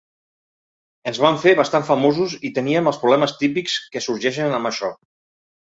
Ens vam fer bastant famosos i teníem els problemes típics que sorgeixen amb això.